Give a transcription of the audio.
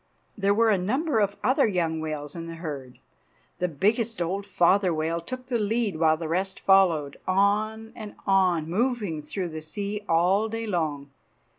There were a number of other young whales in the herd. The biggest old father whale took the lead while the rest followed, on and on, moving through the sea all day long.